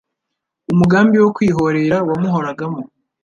umugambi wo kwihorera wamuhoragamo.